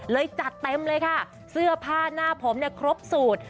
เลยจัดเต็มเลยค่ะเสื้อผ้าหน้าผมครบสูตร